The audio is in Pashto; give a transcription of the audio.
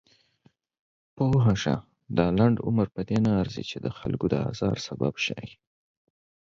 پوهه شه! دا لنډ عمر پدې نه ارزي چې دخلکو د ازار سبب شئ.